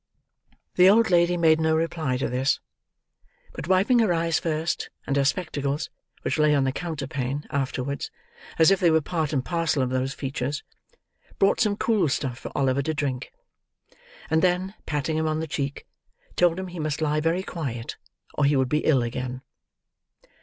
The old lady made no reply to this; but wiping her eyes first, and her spectacles, which lay on the counterpane, afterwards, as if they were part and parcel of those features, brought some cool stuff for Oliver to drink; and then, patting him on the cheek, told him he must lie very quiet, or he would be ill again.